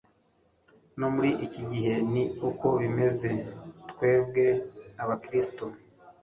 no muri iki gihe ni uko bimeze twebwe abakristo